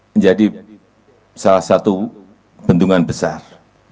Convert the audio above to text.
menjadi salah satu bendungan besar